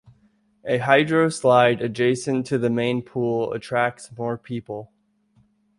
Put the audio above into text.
A hydroslide adjacent to the main pool attracts more people.